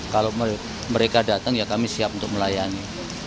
kalau mereka datang ya kami siap untuk melayani